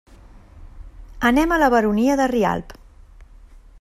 Anem a la Baronia de Rialb.